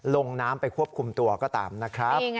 ลงน้ำไปควบคุมตัวก็ตามนะครับ